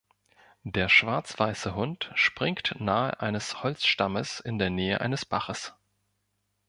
Der schwarzweiße Hund springt nahe eines Holzstammes in der Nähe eines Baches.